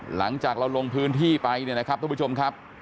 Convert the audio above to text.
หลังจากเราลงพื้นที่ไปเนี่ยนะครับทุกผู้ชมครับ